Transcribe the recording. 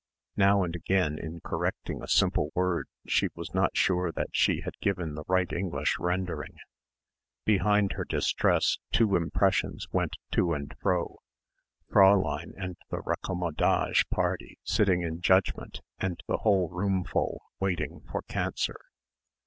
Now and again in correcting a simple word she was not sure that she had given the right English rendering. Behind her distress two impressions went to and fro Fräulein and the raccommodage party sitting in judgment and the whole roomful waiting for cancer.